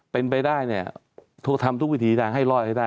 เป็นไปได้เนี่ยทำทุกวิถีทางให้รอดให้ได้